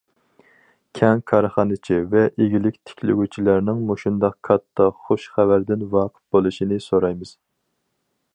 كەڭ كارخانىچى ۋە ئىگىلىك تىكلىگۈچىلەرنىڭ مۇشۇنداق كاتتا خۇش خەۋەردىن ۋاقىپ بولۇشىنى سورايمىز!